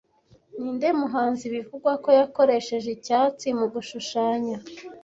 Ninde muhanzi bivugwa ko yakoresheje icyatsi mugushushanya